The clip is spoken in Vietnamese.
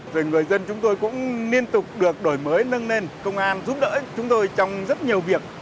rồi người dân chúng tôi cũng liên tục được đổi mới nâng lên công an giúp đỡ chúng tôi trong rất nhiều việc